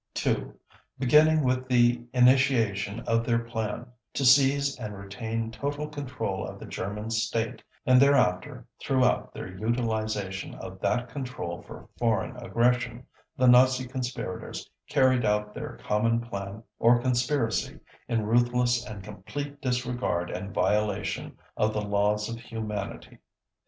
2. Beginning with the initiation of their plan to seize and retain total control of the German State, and thereafter throughout their utilization of that control for foreign aggression, the Nazi conspirators carried out their common plan or conspiracy in ruthless and complete disregard and violation of the laws of humanity.